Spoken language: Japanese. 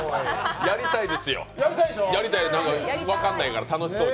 やりたいですよ、分かんないから、楽しそうで。